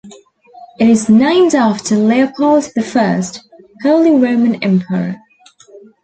It is named after Leopold the First, Holy Roman Emperor.